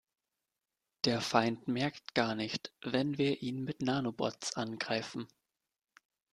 Der Feind merkt gar nicht, wenn wir ihn mit Nanobots angreifen.